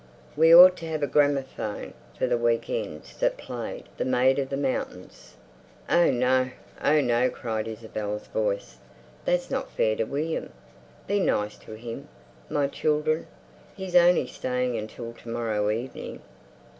"We ought to have a gramophone for the week ends that played 'The Maid of the Mountains.'" "Oh no! Oh no!" cried Isabel's voice. "That's not fair to William. Be nice to him, my children! He's only staying until to morrow evening."